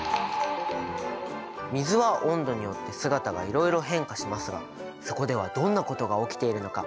水は温度によって姿がいろいろ変化しますがそこではどんなことが起きているのか！？